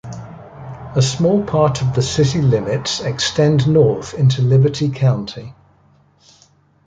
A small part of the city limits extend north into Liberty County.